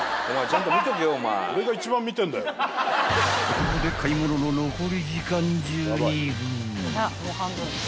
［ここで買い物の残り時間１２分］